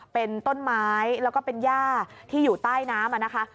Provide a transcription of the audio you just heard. เป็นต้นไม้แล้วก็เป็นย่าที่อยู่ใต้น้ำนะคะ